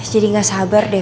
jadi gak sabar deh